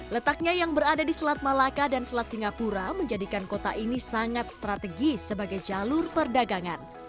letaknya yang berada di selat malaka dan selat singapura menjadikan kota ini sangat strategis sebagai jalur perdagangan